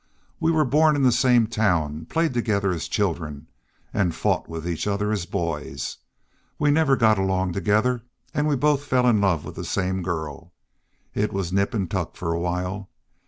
We were born in the same town, played together as children, an' fought with each other as boys. We never got along together. An' we both fell in love with the same girl. It was nip an' tuck for a while.